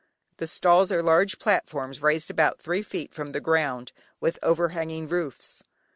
The stalls are large platforms raised about three feet from the ground, with overhanging roofs.